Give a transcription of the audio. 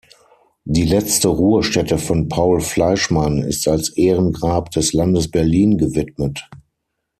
Die letzte Ruhestätte von Paul Fleischmann ist als Ehrengrab des Landes Berlin gewidmet.